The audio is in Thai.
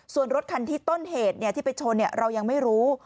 ส่วนรถคันที่ต้นเหตุที่ไปชนเรายังไม่รู้